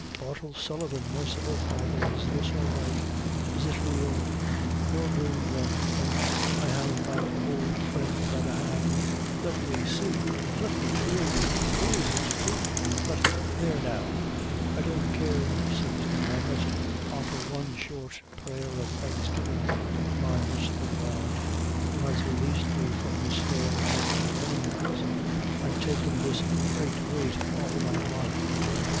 "Bartle Sullivan! Merciful Father, is this all right? is it real? No dhrame, then! an' I have my ould friend by the hand let me see let me feel you! it is it's truth but, there now I don't care who sees me I must offer one short prayer of thanksgivin' to my marciful God, who has released me from the snares of my enemies, an' taken this great weight off o' my heart!"